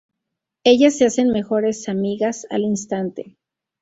Ellas se hacen mejores amigas al instante.